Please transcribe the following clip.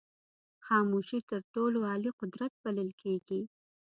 خاموشي تر ټولو عالي قدرت بلل کېږي.